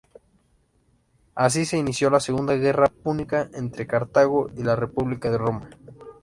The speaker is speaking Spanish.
Así se inició la segunda guerra púnica entre Cartago y la república de Roma.